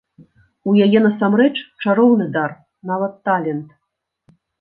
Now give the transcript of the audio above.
У яе насамрэч чароўны дар, нават талент.